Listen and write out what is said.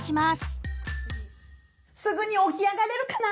すぐにおきあがれるかな？